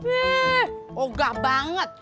ih enggak banget